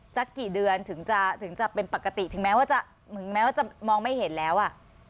สักกี่เดือนถึงจะถึงจะเป็นปกติถึงแม้ว่าจะถึงแม้ว่าจะมองไม่เห็นแล้วอ่ะ